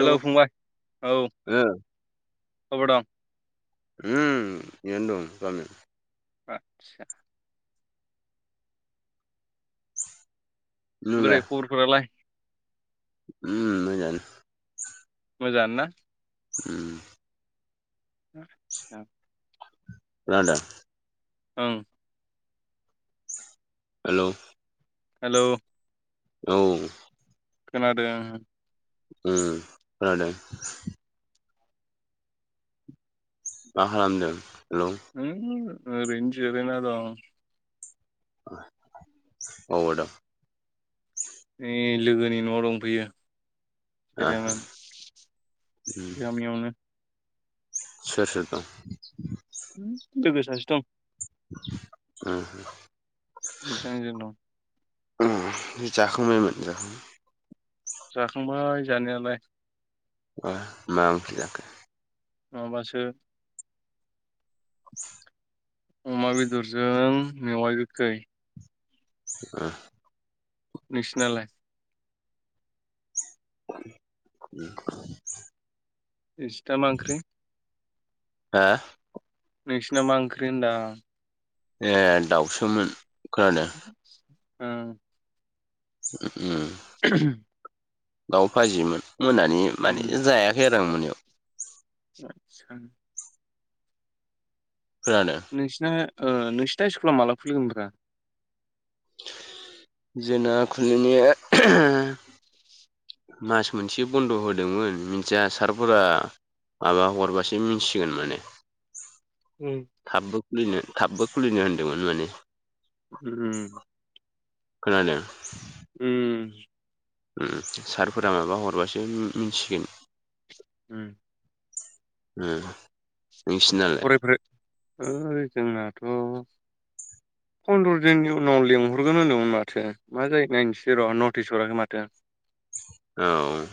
Hello फंबाय औ ओ खबर दं उ जन्द गामि आतसा बोरै खबरफोरालाय? उ न जानो मोजान ना? उम [unintelligible] लान्डा औओं। हेल'। हेल'। औ। खोनादों। उ खोनादों। मा खालामदों? हेलौ रेज जरना दाव औ आदा। ए लोगोनि न'आव दंफैयो। ओ सेर उम गामियावनो सोर सोर दं? लोगो सासो दं। [inaudible] बेसेबांजेन दं? हम जाखांबायमोन। जाखांबाय जानायालाय। [unintelligible] नङाबासो। [inaudible] अमा बेदरजों मेवाइ गोखै। [unintelligible] नोंसिनालाय? [unintelligible] इसिथामा ओंख्रि? हा? नोंसिना मा ओंख्रि होनदां। ए दाउसोमोन खोनादों [unintelligible] उ उ। दाउ फाजिमोन मोनानि माने जायाखै आरो आं मोनायाव। आदसा आदसा। [unintelligible] नोंसिना नोंसिोरथा स्कुलाव माला खुलिगोन ब्रा? जोंना खुलिनाय [unintelligible] मास मोनसे बन्द' होदोंमोन मिन्थिया सारफोरा माबा हरबासो मिथिगोन माने। उम। थाबबो खुलिनो थाबबो खुलिनो होनदोंमोन माने। उ उ। खोनादों? उम। उम सारफोरा माबा हरबासो उ मिथिसिगोन। उम। उम। फरायफोरो ओइ जोंनाथ' फन्द्र' दिननि उनाव लेंहरगोन होनदोंमोन माथो मा जायो नायनोसै र' नटिस हराखै माथो। औ।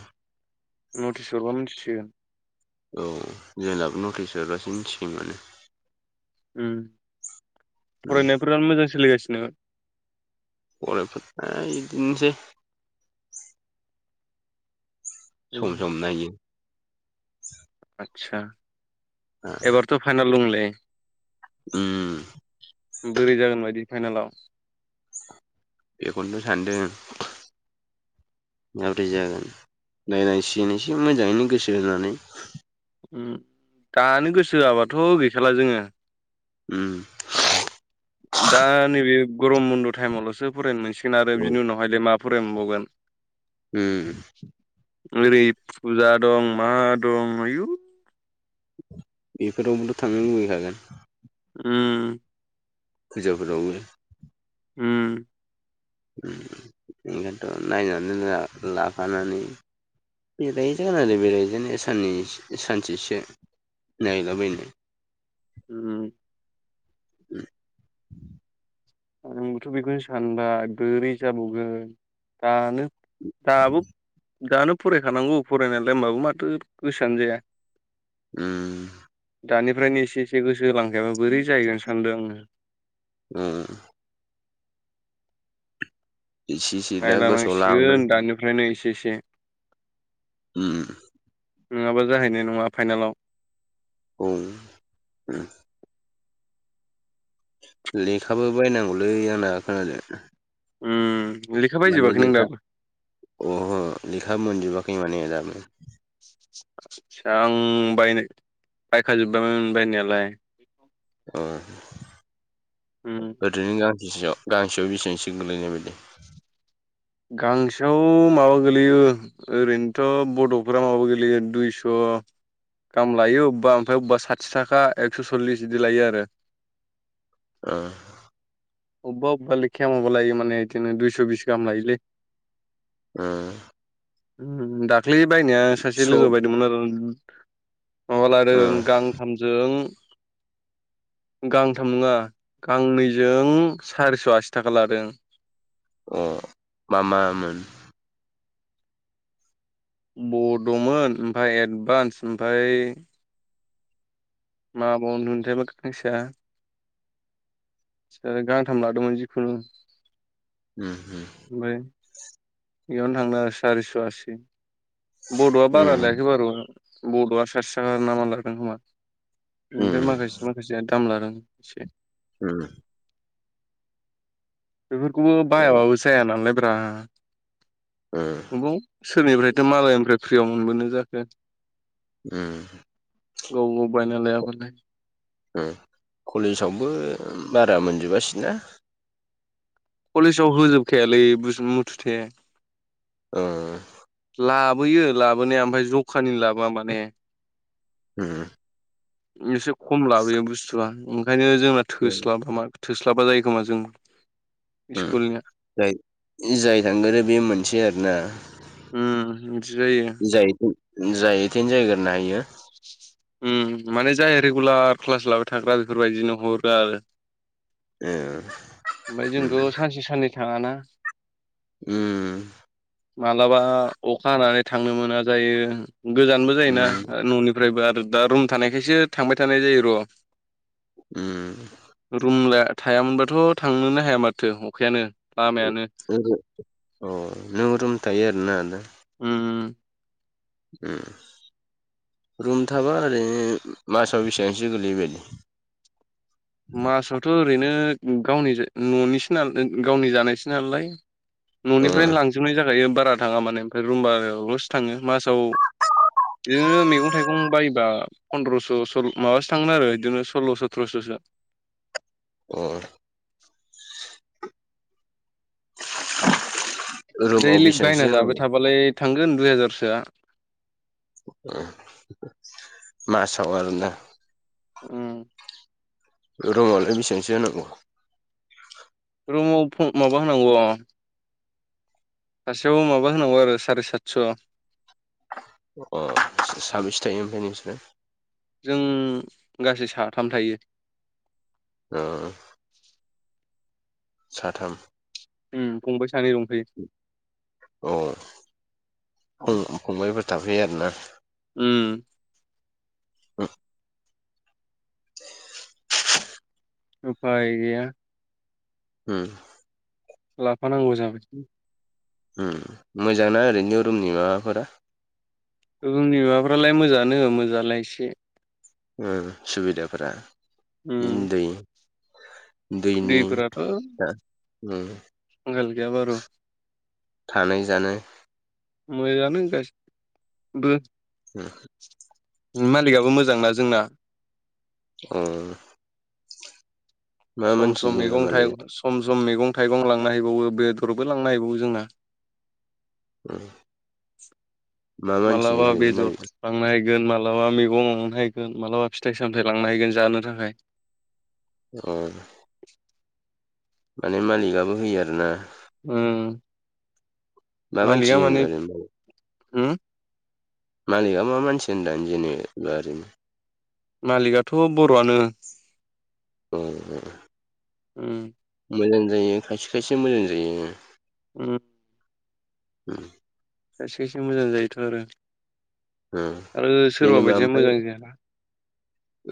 नटिस हरबा मिथिसिगोन। औ जोंनाबो नटिस होबासो मिथिसिगोन माने। उम उम फरायनायफोरानो मोजां सोलिगासिनो? फरायफोरना इदिनोसै उम सम सम नायो। आदसा एबारथ' फाइनाल दंलै। उम। उम बोरै जागोन बायदि फाइनालाव? बेखन्थ' सान्दों माबोरै जागोन। नायनांसिगोन इसे मोजाङैनो गोसो होनानै। उम दानो गोसो होआबाथ' गैखाला जोङो। उम। दा नैबे गरम बन्द' टाइमावल'सो फरायनो मोनसिगोन आरो औ बिनि उनावहायलाय मा फरायमोनबावगोन? उम। ओरै फुजा दं मा दं आयु बेफोरावबोथ' थांनो लुगैखागोन। उम। फुजाफोरावबो। उम। उम ओंखायनोथ' नायनानै ला-लाफानानै बेरायहैजागोन आरो बेरायहैजानाया साननै सानसेसो नायलाबायनो। उम। आंबोथ' बेखौनो सानबाय बोरै जाबावगोन दानो दाबो दानो फरायखानांगौ फरायनायालाय होमबाबो माथो गोसोआनो जाया। उम। दानिफ्रायनो एसे एसे गोसो होलांखायाबा बोरै जाहैगोन सानदों आङो। उम। एसे एसे दा गोसोआव लाबोनो नायलानांसिगोन दानिफ्रायनो एसे एसे। उम। नंङाबा जाहैनाय नंङा फाइनालाव। बुं उम। लेखाबो बायनांगौलै आंना खोनादों? उम। लेखा माने बायजोबाखै नों लेखा दाबो अहो लेखा मोनजोबाखै माने दाबो आसा आं बायनो बायखाजोबबायमोन बायनायालाय। औ, उम ओरैनो गांसेयाव गांसेयाव बेसेबांसो गोलैनाय बायदि? गांसेयाव माबा गोलैयो ओरैनोथ' बड'फोरा माबा गोेलेैयो दुइस' दाम लायो अबेबा ओमफ्राय अबेबा साथि थाखा एक्स' सल्लिस बिदि लायो आरो। ओं। अबेबा अबेबा लेखाया माबा लायो माने बिदिनो दुइस' बिस गाहाम लायोलै। ओं। उम दाख्लै बायनाया सासे सब लोगो बायदोंमोन आरो माबा लादों गां थामजों गांथाम नङा गांनैजों सारिस' आसि थाखा लादों। अ मा मामोन? बड'मोन ओमफ्राय एडभान्स ओमफ्राय मा बावमोनथाय गांसेया गांथाम लादोंमोन जिखुनु। उम उम। ओमफ्राय बेयावनो थांदों आरो सारिस' आसि। बड'आ बारा उम लायाखै बारु बड'आ साथि थाखा नामा लादों खोमा। उम ओमफ्राय माखासे माखासे दाम लादों एसे। उम। बेफोरखौबो उम बायाबाबो जाया नालाय ब्रा। ओं। अबाव सोरनिफ्रायथ' मालायनिफ्राय फ्रियाव मोनबोनो जाखो। उम। गाव गाव बायनालायाबालाय। उम कलेजावबो बारा मोनजोबासै ना। कलेजाव होजोबखायालै बुस मुथुथे। ओं। लाबोयो लाबोनाया ओमफ्राय जखानि लाबोआ माने। उम एसे खम लाबोयो बुस्थुआ ओंखायनो जोंना थोस्लाबा। थोस्लाबा जायो खोमा जों उम स्कुलनिया जाय जाय थांगोरो बे मोनसे आरोना? उम बिदि जायो। जाय एतेन जाय एतेन जायग्रोनो हायो। उम माने जाय रेगुलार क्लास लाबाय थाग्रा बेफोरबायदिनो हरो आरो। ओ ओमफ्राय उम जोंथ' सानसे साननै थांङाना उम। माब्लाबा अखा हानानै थांनो मोना जायो। गोजानबो जायोना उम न'निफ्रायबो आरो दा रुम थानायखायसो थांबाय थानाय जायो र'। उम रुम लाया थायामोनबाथ' थांनोनो हाया माथो अखायानो। लामायानो। ओहो अ नों रुम थायो आरोना नोंथां? उम उम। उम रुम थाबा ओरैनो मासाव बेसेबांसो गोलैयोबायदि? मासावथ' ओरैनो गावनि न'निसो नाला गावनि जानायसो नालाय। ओ न'निफ्रायनो लांजोबनाय जाखायो बारा थाङा माने ओमफ्राय रुमबारावल'सो थाङो। मासाव जोङो मैगं थाइगं बायोबा पन्द्रस' सल' माबासो थांगोन आरो बिदिनो सल्ल' सथ्र'स'सो। अ। [inaudible] दैलिग बेसेबांसो बायना जाबाय होनांगौ थाबालाय थांगोन दुइ हाजारसोआ। ओं मासाव आरोना? ओम। रुमावलाय बेसेबांसो होनांगौ? रुमाव फ माबा होनांगौ। अ सासेयावबो माबा होनांगौ आरो साराय सातस'। अ साबैसे थायो ओमफ्राय नोंसोरो? जों गासै साथाम थायो। ओ। साथाम। उम फंबाय सानै दंफैयो। अ फं-फंबायफोर थाफैयो आरोना। उम। उम उफाय गैया। ओम। लाफानांगौ जाबाय। ओम मोजां ना ओरैनो रुमनि माबाफोरा? रुमनि माबाफ्रालाय मोजाङानो मोजालाय एसे। ओ सुबिदाफोरा इनि दै। दैनि दैफोराथ' [unintelligible] ओम आंखाल गैया बारु थानाय जानाय मोजाङानो गासिबो। होम। मालिकआबो मोजांना जोंना। अ। मा सम मानसि सम जेनेबा मैगं मालिकआ थगं, सम सम मैगं थाइगं लांना हैैबावो बेदरबो लांना हैबावो जोंना। हम। मालाबा ओरैनो बेदर मालिकआ लांना हैगोन, मालाबा मैगं लांहैगोन, मालाबा फिथाइ सामथाय लांन हैगोन जानो थाखाय। अम। माने मालिकआबो होयो आरोना? ओं मा मानसि मालिका माने, जेनेबा ओरैनो हो? मालिकआ मा मानसि होनदों जेनेबा ओरैनो मालिकआाशथ' बर'आनो। अम अम। ओम। मोजां जायो खायसे खायसे मोजां जायो। उम। उम। खायसे खायसे मोजां जायोथ' आरो। उम आरो सोरबा जेनेबा बायदिया ओमफ्राय मोजां जायाना।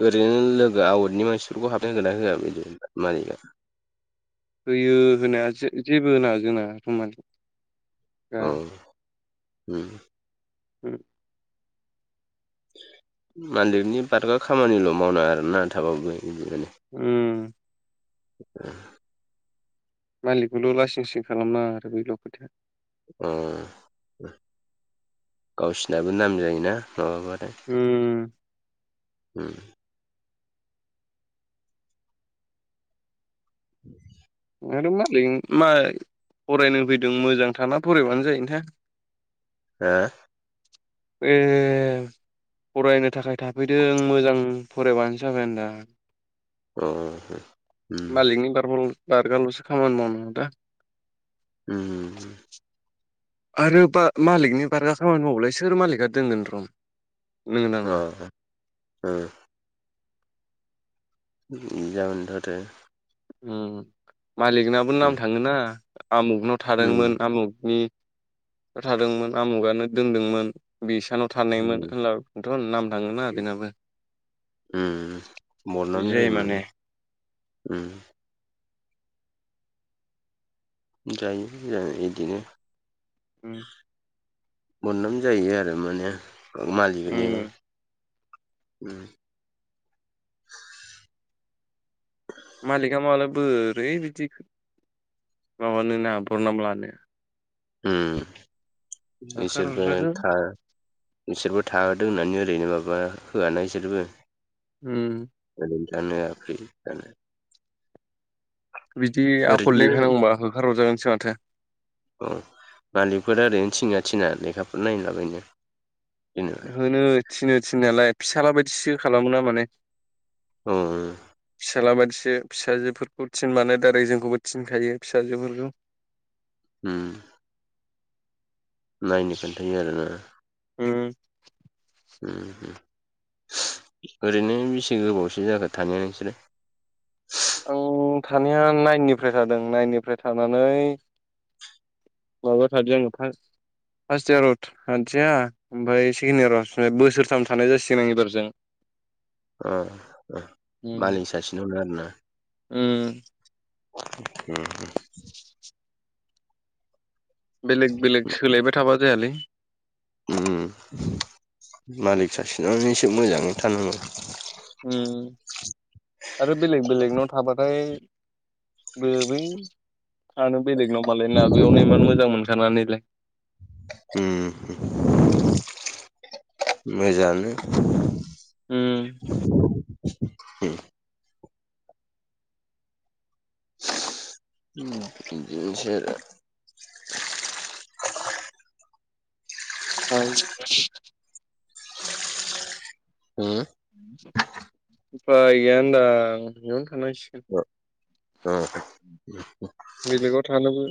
ओरैनो लोगो आवटनि मानसिफोरखौ हाबनो गोना होआ बिदि मालिकआ? होयो होनाया जे-जेबो होना जोंना रुम मा अ ओम। उम। मालिकनि बारगा खामानिल' मावनाङा आरोना थाबाबो बिदिनो। ओम। [unintelligible] मालिकखौल' लासिं लासिं खालामनाङा आरो बेल' खोथाया अ गावसिनाबो नाम जायोना माबाबाथाय। ओम उम दाथ' मालिक मा फरायनो फैदों मोजां थाना फरायबानो जायोना हा ए फरायनो थाखाय थाफैदों मोजां फरायबानो जाबाय आदा अ उम मलिकनि बार बारगार'सो खामानि मावनांगौ दा उम आरो बा मालिकनि बारगा खामानि मावलाय सोर मालिकआ दोनगोन रुम अ जागोन थ' आरो मालिकनाबो नाम थाङोना आमुगनाव उम थादोंमोन आमुगनि खोथादोंमोन आमुगानो दोनदोंमोन बिसानाव थानायमोन उम होनब्लाथ' नाम थाङोना उम बेनाबो उम बरनाम जायो माने उम जायो जों इदिनो उम बोदनाम जायो आरो माने मालिकनिबो उम उ द मालिका माब्ला बोरै बिदि माबानोना बरनाम लानो उ होखार इसोरबो हरजागोन थार इसोरबो थादों होननानै ओरैनो माबा होआ ना इसोरबो ओम गो जानो बिदि आखल ओरैनो लिरखायनांगौबा हो होखारहरजागोनसो माथो औ मालिकफोर ओरैनो थिनोना थिना लेखाफोर नायनोलाबायनो होनो थिनो थिननायलाय फिसाला बायदिसो खालामो ना माने ओम फिसाला बायदिसो फिसाजोफोरखौ थिन मानो दारै जोंखौबो थिनखायो फिसाजोफोरखौ ओम नायनो खोन्थायो आरोना होम ओरैनो बेसे गोबावसो जाखो थानाया नोंसोरो आं थानाया नाइननिफ्राय थादों नाइननिफ्राय थानानै माबा थादों फासत फार्स्ट इयाराव थथिया ओमफ्राय सेकेण्ड इयाराव बोसोरथाम थानाय जासिगोन आं एबारजों अ उम मालिक सासेनावनो आरोना उम उम बेलेग बेलेग सोलायबाय थाबा जायालै मालिक सासेनावनो एसे मोजाङै थानांगौ आरो बेलेग बेलेगनाव थाबाथाय गोबै थानो बेलेगनाव मालाय ना बेयावनो इमान मोजां मोनखानानैलाय ओम मोजानो उम [unintelligible] दिस [unintelligible] हो उपाय गैया होनदां न'वावनो थांनांसिगोन अ अ बेलेगाव थानोबो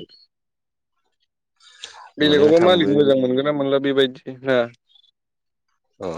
न'निफ्राय बेलेगावबा मालिक थांबो मोजां मोनगोन ना मोनला बेबायदि ना अ